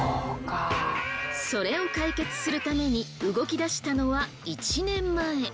それを解決するために動き出したのは１年前。